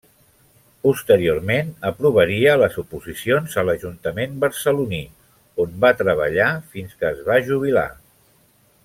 Posteriorment aprovaria les oposicions a l'ajuntament barceloní, on va treballar fins que es va jubilar.